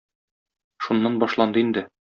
Шуннан башланды инде.